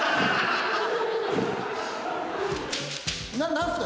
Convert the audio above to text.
何すか？